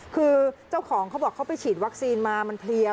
คือเจ้าของเขาบอกเขาไปฉีดวัคซีนมามันเพลียว